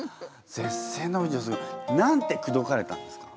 絶世の美女何て口説かれたんですか？